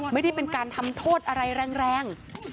ไม่ได้เป็นการทำโทษอะไรแรง